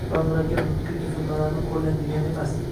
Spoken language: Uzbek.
va murakkab nutqiy tuzilmalarni qo‘llang degani emas.